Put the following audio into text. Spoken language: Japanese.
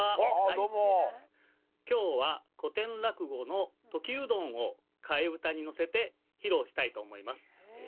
今日は古典落語の「時うどん」を替え歌に乗せて披露したいと思います。